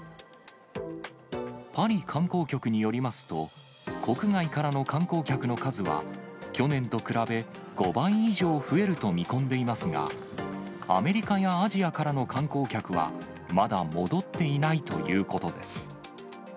パリ観光局によりますと、国外からの観光客の数は、去年と比べ５倍以上増えると見込んでいますが、アメリカやアジアからの観光客は、まだ戻っていないということです。